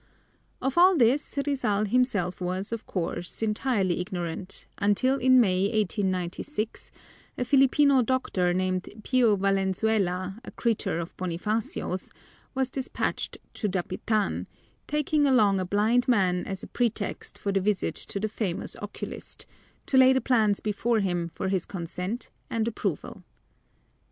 Of all this Rizal himself was, of course, entirely ignorant, until in May, 1896, a Filipino doctor named Pio Valenzuela, a creature of Bonifacio's, was despatched to Dapitan, taking along a blind man as a pretext for the visit to the famous oculist, to lay the plans before him for his consent and approval.